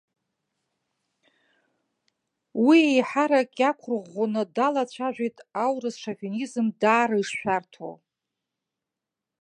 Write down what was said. Уи еиҳарак иақәырӷәӷәаны далацәажәеит аурыс шовинизм даара ишшәарҭоу.